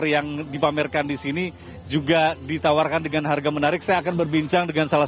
yang dipamerkan di sini juga ditawarkan dengan harga menarik saya akan berbincang dengan salah